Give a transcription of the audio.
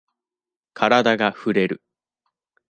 カラダがふれる。